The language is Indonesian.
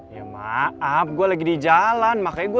ya maaf gue lagi dijalan makanya gue